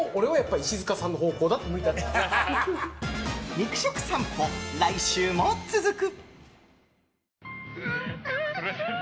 肉食さんぽ、来週も続く。